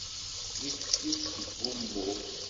Yekkes-it seg wumuɣ.